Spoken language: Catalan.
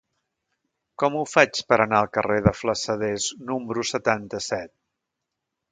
Com ho faig per anar al carrer de Flassaders número setanta-set?